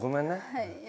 はい。